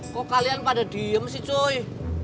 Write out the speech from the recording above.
kok kalian pada diem sih joy